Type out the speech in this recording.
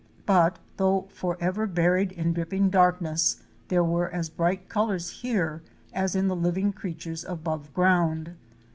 But though forever buried in dripping darkness, there were as bright colors here as in the living creatures above ground.